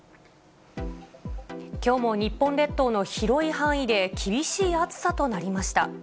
きょうも日本列島の広い範囲で厳しい暑さとなりました。